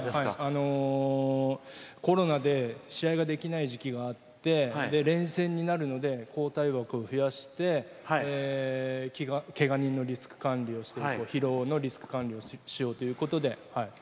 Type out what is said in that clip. コロナで試合ができない時期があって連戦になるので交代枠を増やしてけが人のリスク管理をして疲労のリスク管理をしようということで。